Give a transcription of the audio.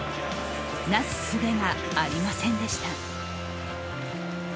なすすべがありませんでした。